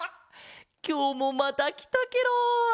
きょうもまたきたケロ。